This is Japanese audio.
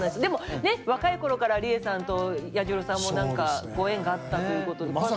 でもねっ若い頃からりえさんと彌十郎さんも何かご縁があったということで。